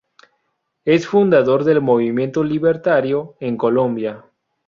Es fundador del Movimiento Libertario en Colombia.